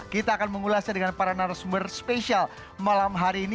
kita akan mengulasnya dengan para narasumber spesial malam hari ini